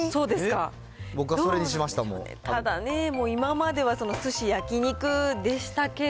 ただね、もう、今まではすし、焼き肉でしたけど。